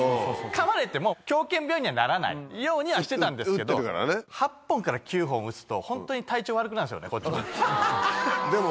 かまれても、狂犬病にならないようにはしてたんですけど、８本から９本打つと、本当に体調悪くなるんですよね、こっちも。